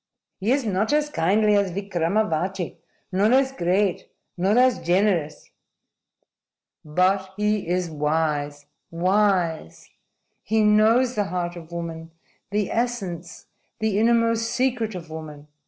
"He is not as kindly as Vikramavati, nor as great, nor as generous." "But he is wise wise! He knows the heart of woman the essence, the innermost secret of woman."